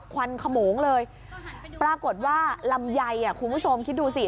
ควันขโมงเลยปรากฏว่าลำไยคุณผู้ชมคิดดูสิ